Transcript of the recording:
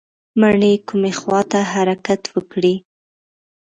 مڼې کومې خواته حرکت وکړي؟